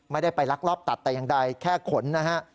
ไม่ได้ไปลักลอบตัดแต่อย่างใดแค่ขนนะฮะ